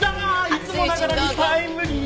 いつもながらにタイムリー！